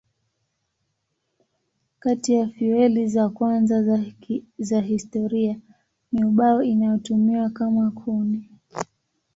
Kati ya fueli za kwanza za historia ni ubao inayotumiwa kama kuni.